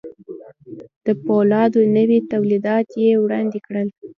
د پولادو نوي توليدات يې وړاندې کړل.